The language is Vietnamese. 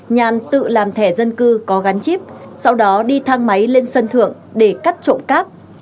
nhàn tự làm thẻ dân cư có gắn chip sau đó đi thang máy lên sân thượng để cắt trộm cáp